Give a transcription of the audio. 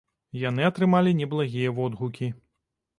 Яны атрымалі неблагія водгукі.